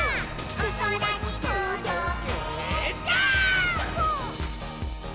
「おそらにとどけジャンプ！！」